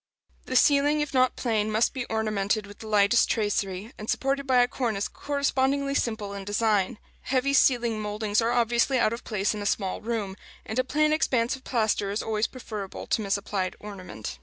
The ceiling, if not plain, must be ornamented with the lightest tracery, and supported by a cornice correspondingly simple in design. Heavy ceiling mouldings are obviously out of place in a small room, and a plain expanse of plaster is always preferable to misapplied ornament.